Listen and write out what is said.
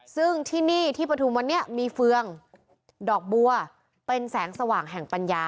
ซึ่งที่นี่ที่ปฐุมวันนี้มีเฟืองดอกบัวเป็นแสงสว่างแห่งปัญญา